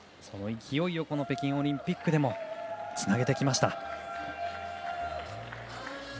その勢いをこの北京オリンピックにもつなげてきました。